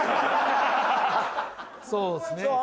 そうっすね